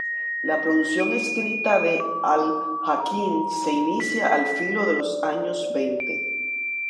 La producción escrita de al-Hakim se inicia al filo de los años veinte.